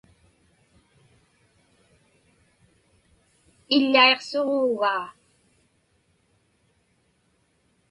Iḷḷaiqsuġuugaa.